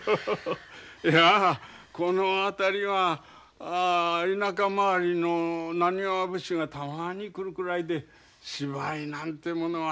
いやこの辺りは田舎回りの浪花節がたまに来るくらいで芝居なんてものは。